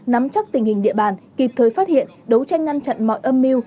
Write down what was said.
nắm chắc tình hình địa bàn kịp thời phát hiện đấu tranh ngăn chặn mọi âm mưu